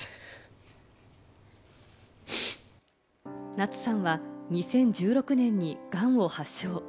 夏さんは２０１６年に、がんを発症。